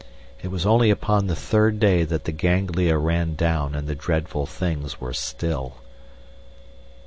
It was only upon the third day that the ganglia ran down and the dreadful things were still.